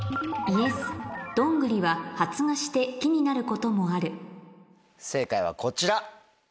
どんぐりは発芽して木になることもある正解はこちら。